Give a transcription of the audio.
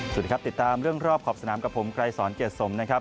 สวัสดีครับติดตามเรื่องรอบขอบสนามกับผมไกรสอนเกียรติสมนะครับ